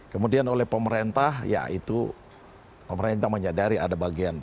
kemudian oleh pemerintah ya itu pemerintah menyadari ada bagian